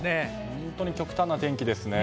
本当に極端な天気ですね。